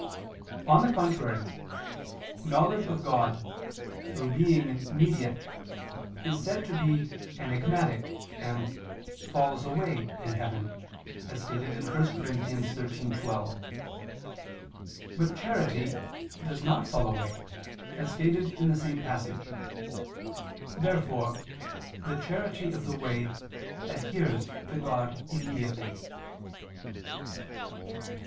On the contrary, Knowledge of God, through being mediate, is said to be "enigmatic," and "falls away" in heaven, as stated in 1 Cor. 13:12. But charity "does not fall away" as stated in the same passage (1 Cor. 13:12). Therefore the charity of the way adheres to God immediately.